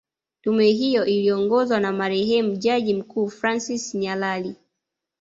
Tume hiyo iliongozwa na marehemu jaji mkuu Francis Nyalali